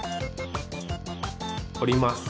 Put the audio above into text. おります。